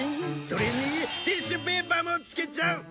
それにティッシュペーパーもつけちゃう！